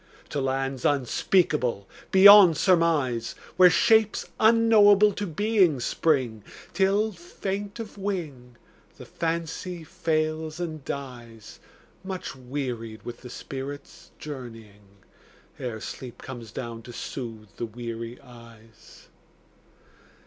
To lands unspeakable beyond surmise, Where shapes unknowable to being spring, Till, faint of wing, the Fancy fails and dies Much wearied with the spirit's journeying, Ere sleep comes down to soothe the weary eyes.